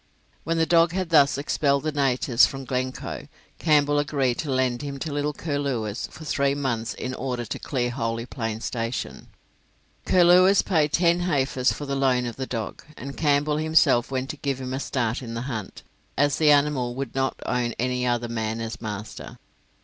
When the dog had thus expelled the natives from Glencoe, Campbell agreed to lend him to little Curlewis for three months in order to clear Holey Plains Station. Curlewis paid ten heifers for the loan of the dog, and Campbell himself went to give him a start in the hunt, as the animal would not own any other man as master.